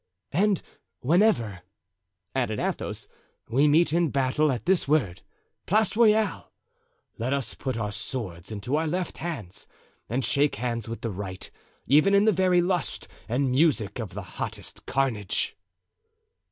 "And whenever," added Athos, "we meet in battle, at this word, 'Place Royale!' let us put our swords into our left hands and shake hands with the right, even in the very lust and music of the hottest carnage."